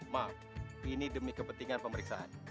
maaf ini demi kepentingan pemeriksaan